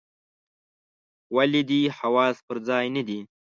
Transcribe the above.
ولي دي حواس پر ځای نه دي ؟